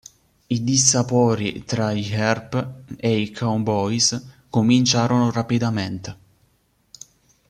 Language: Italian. I dissapori tra gli Earp ed i "Cowboys" cominciarono rapidamente.